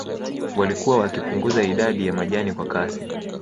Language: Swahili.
Walikuwa wakipunguza idadi ya majani kwa kasi